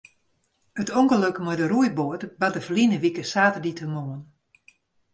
It ûngelok mei de roeiboat barde ferline wike saterdeitemoarn.